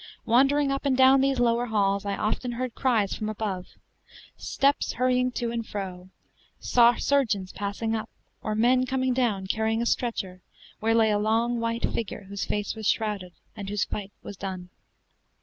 Wandering up and down these lower halls I often heard cries from above, steps hurrying to and fro, saw surgeons passing up, or men coming down carrying a stretcher, where lay a long white figure whose face was shrouded, and whose fight was done.